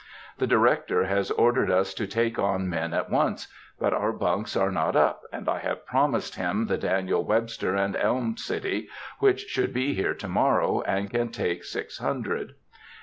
The Director has ordered us to take on men at once, but our bunks are not up, and I have promised him the Daniel Webster and Elm City, which should be here to morrow, and can take six hundred.